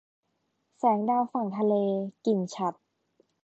แสงดาวฝั่งทะเล - กิ่งฉัตร